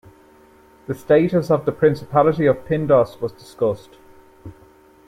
The status of the Principality of Pindos was discussed.